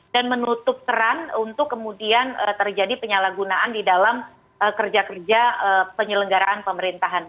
menutup peran untuk kemudian terjadi penyalahgunaan di dalam kerja kerja penyelenggaraan pemerintahan